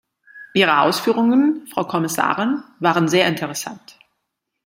Ihre Ausführungen, Frau Kommissarin, waren sehr interessant.